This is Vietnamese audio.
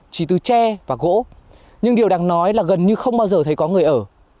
chỉ từ tre và gỗ nhưng điều đáng nói là gần như không bao giờ thấy có người ở